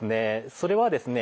それはですね